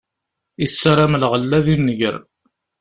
Issaram lɣella si nnger.